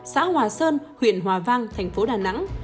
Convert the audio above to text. xã hòa sơn huyện hòa vang thành phố đà nẵng